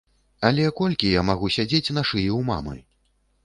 Але колькі я магу сядзець на шыі у мамы?